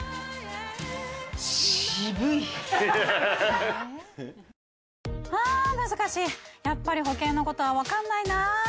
ハァ難しいやっぱり保険のことは分かんないな。